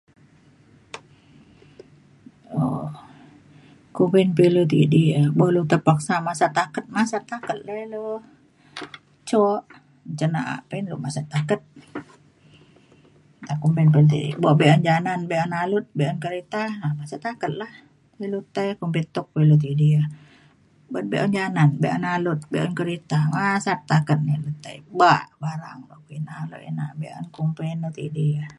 [unintelligible] kumpin pilu tidi e bo' la paksa masat taket masat taket la ilu cuk cen na'a pun ilu masat taket nta kumpin pe ti bo' be'un janan be'un alut be'un kereta masat taket la ilu tai kumpin tok pilu tidi e ban be'un janan be'un alut be'un kereta masat taket na ilu tai bak barang le pi na ina be'un kumpin le tidi